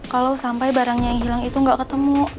kalau sampai barangnya yang hilang itu nggak ketemu